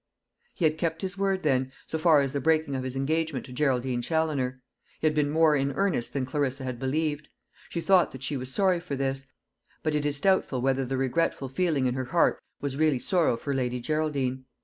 He had kept his word, then, so far as the breaking of his engagement to Geraldine Challoner. He had been more in earnest than Clarissa had believed. She thought that she was sorry for this; but it is doubtful whether the regretful feeling in her heart was really sorrow for Lady Geraldine.